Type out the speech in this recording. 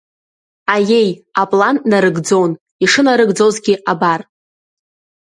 Аиеи, аплан нарыгӡон, ишынарыгӡозгьы абар.